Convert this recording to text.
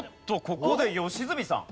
ここで良純さん。